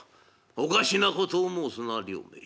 おかしなことを申すな両名。